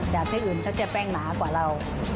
ที่อื่นเขาจะแป้งหนากว่าเรา